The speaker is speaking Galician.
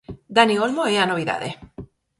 Dani Olmo é a novidade.